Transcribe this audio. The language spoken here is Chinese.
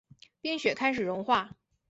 冰雪开始融化